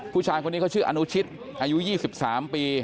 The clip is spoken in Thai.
ผู้ชายคนนี้เขาชื่ออนุชิตอายุ๒๓ปี